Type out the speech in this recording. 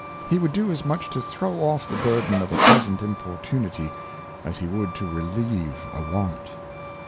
He would do as much to throw off the burden of a present Im portunity, as he would to relieve a want.